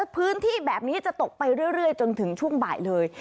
พื้นที่แบบนี้จะตกไปเรื่อยจนถึงช่วงบ่ายเลย